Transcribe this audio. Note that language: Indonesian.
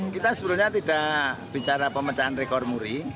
kita sebenarnya tidak bicara pemecahan rekor muri